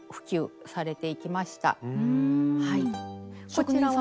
こちらは。